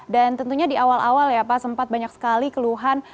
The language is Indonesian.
dan tentunya di awal awal ya pak sempat banyak sekali keluhan